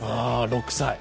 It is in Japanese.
６歳。